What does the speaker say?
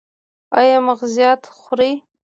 ایا مغزيات خورئ؟